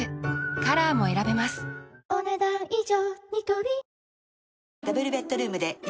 カラーも選べますお、ねだん以上。